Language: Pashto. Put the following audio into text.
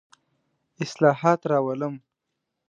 اصلاحات راولم.